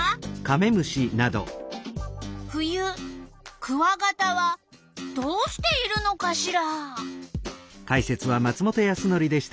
冬クワガタはどうしているのかしら？